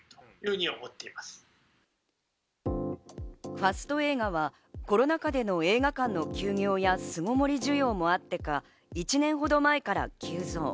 ファスト映画はコロナ禍での映画館の休業や巣ごもり需要もあってか、１年ほど前から急増。